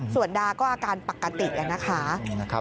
ส่วนดาก็อาการปกตินะคะ